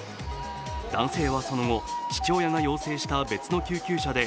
男性は、その後、父親が要請した別の救急車で